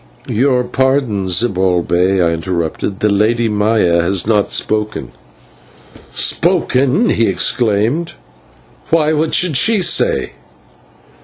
"Your pardon, Zibalbay," I interrupted, "the Lady Maya has not spoken." "Spoken!" he exclaimed. "Why, what should she say?"